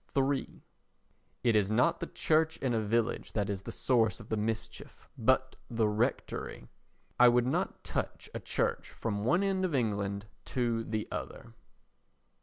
iii It is not the church in a village that is the source of the mischief, but the rectory. I would not touch a church from one end of England to the other.